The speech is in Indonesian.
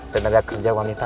tenaga kerja wanita